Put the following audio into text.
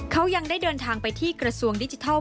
เขายังได้เดินทางไปที่กระทรวงดิจิทัล